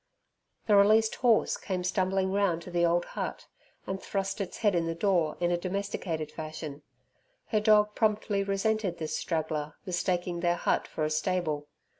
The released horse came stumbling round to the old hut, and thrust its head in the door in a domesticated fashion. Her dog promptly resented this straggler mistaking their hut for a stable.